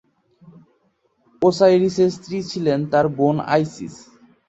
ওসাইরিসের স্ত্রী ছিলেন তার বোন আইসিস।